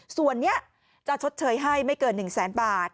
ส่วนนี้จะชดเชยให้ไม่เกิน๑แสนบาท